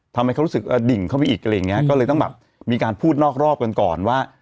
ทำให้เขารู้สึกดิ่งเข้าไปอีกอะไรอย่างเงี้ยก็เลยต้องแบบมีการพูดนอกรอบกันก่อนว่า